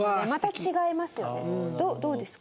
どうですか？